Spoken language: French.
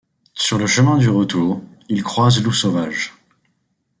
Sur le chemin du retour, il croise Loup Sauvage.